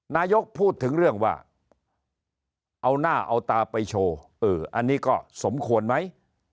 นายกพูดถึงเรื่องว่าเอาหน้าเอาตาไปโชว์อันนี้ก็สมควรไหม